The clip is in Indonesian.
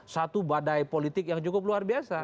satu badai politik yang cukup luar biasa